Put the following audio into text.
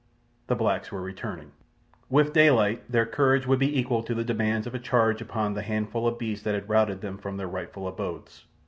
The blacks were returning. With daylight their courage would be equal to the demands of a charge upon the handful of beasts that had routed them from their rightful abodes.